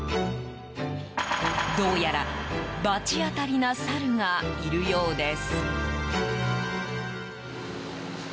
どうやら罰当たりなサルがいるようです。